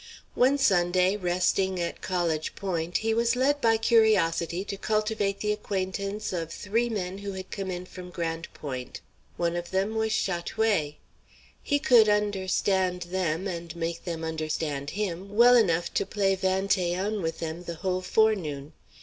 One Sunday, resting at College Point, he was led by curiosity to cultivate the acquaintance of three men who had come in from Grande Pointe. One of them was Chat oué. He could understand them, and make them understand him, well enough to play vingt et un with them the whole forenoon.